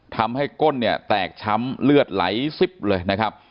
ก้นเนี่ยแตกช้ำเลือดไหลซิบเลยนะครับ